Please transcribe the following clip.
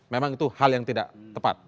memang itu hal yang tidak tepat